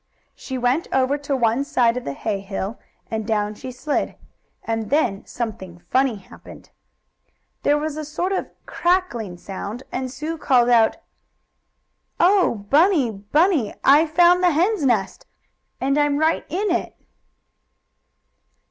She went over to one side of the hay hill, and down she slid. And then something funny happened. There was a sort of crackling sound, and Sue called out: "Oh, Bunny! Bunny! I've found the hen's nest, and I'm right in it!"